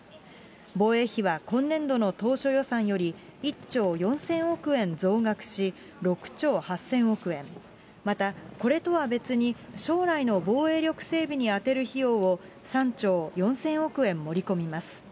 防衛費は今年度の当初予算より、１兆４０００億円増額し、６兆８０００億円、また、これとは別に、将来の防衛力整備に充てる費用を３兆４０００億円盛り込みます。